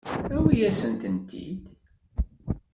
Awi-asent-tent-id.